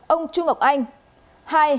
một ông trung ngọc anh